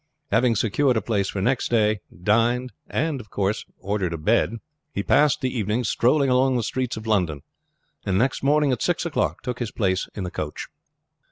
Having secured a place for next day, dined, and ordered a bed, he passed the evening strolling about the streets of London, and next morning at six o'clock took his place on the coach.